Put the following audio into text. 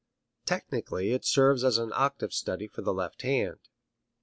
Technically it serves as an octave study for the left hand.